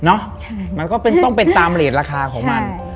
เนอะมันก็ต้องเป็นตามเหรียญราคาของมัน